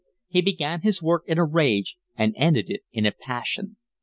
He began his work in a rage and ended it in a passion.